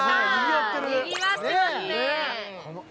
やったにぎわってますね